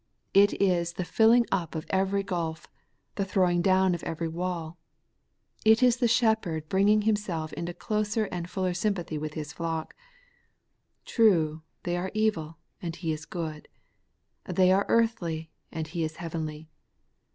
It is the filling up of every gulf, the throwing down of every wall ; it is the Shepherd bringing Himself into closer and fuller sympathy with His flock. Ti*ue, they are evil, and He is good ; they are earthly, and He is heavenly.